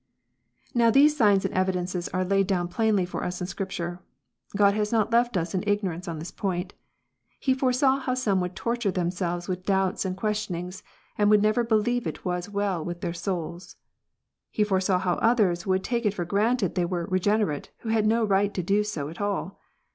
Xow these signs and evidences are laid down plainly for us in Scripture. God has not left us in ignorance on this point. He foresaw how some would torture themselves with doubts and questionings, and would never believe it was well with their souls. He foresaw how others would take it for granted they were " regenerate," who had no right to do so at all.